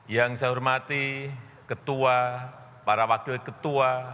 yang saya hormati ketua para wakil ketua